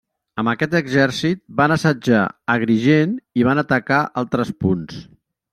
Amb aquest exèrcit van assetjar Agrigent, i van atacar altres punts.